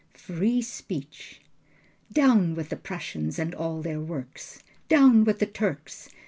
Free speech! Down with the Prussians, and all their works. Down with the Turks.